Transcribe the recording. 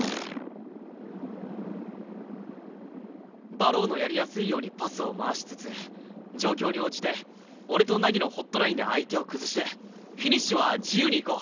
馬狼のやりやすいようにパスを回しつつ状況に応じて俺と凪のホットラインで相手を崩してフィニッシュは自由にいこう。